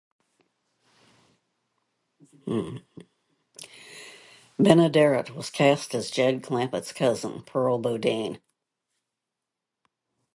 Benaderet was cast as Jed Clampett's cousin, Pearl Bodine.